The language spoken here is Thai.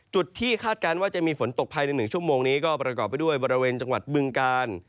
ที่คาดการณ์ว่าจะมีฝนตกภายใน๑ชั่วโมงนี้ก็ประกอบไปด้วยบริเวณจังหวัดบึงกาล